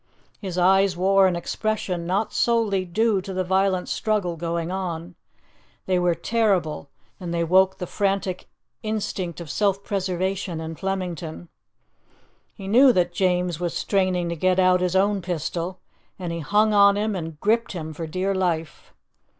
His eyes wore an expression not solely due to the violent struggle going on; they were terrible, and they woke the frantic instinct of self preservation in Flemington. He knew that James was straining to get out his own pistol, and he hung on him and gripped him for dear life.